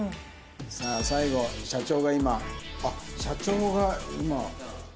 さあ最後社長が今あっ社長が今。